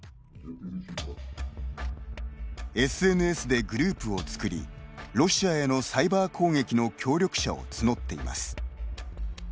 ＳＮＳでグループを作りロシアへのサイバー攻撃の協力者を募っています。